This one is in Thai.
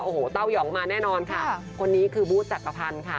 โอ้โหเต้ายองมาแน่นอนค่ะคนนี้คือบูธจักรพันธ์ค่ะ